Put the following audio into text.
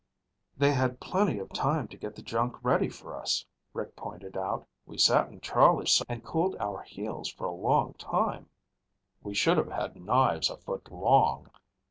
"They had plenty of time to get the junk ready for us," Rick pointed out. "We sat in Charlie's and cooled our heels for a long while." "We should have had knives a foot long."